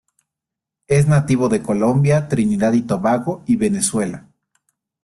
Es nativo de Colombia, Trinidad y Tobago y Venezuela.